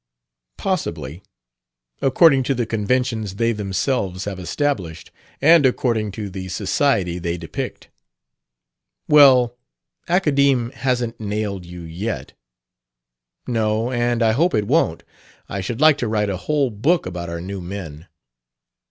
"Possibly, according to the conventions they themselves have established and according to the society they depict." "Well, Academe hasn't nailed you yet!" "No; and I hope it won't. I should like to write a whole book about our new men."